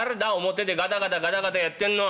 表でガタガタガタガタやってんのは」。